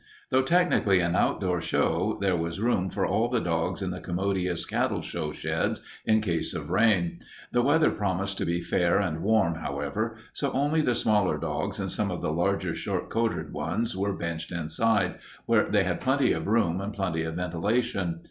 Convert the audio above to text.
Though technically an outdoor show, there was room for all the dogs in the commodious cattle show sheds in case of rain. The weather promised to be fair and warm, however, so only the smaller dogs and some of the larger short coated ones were benched inside, where they had plenty of room and plenty of ventilation.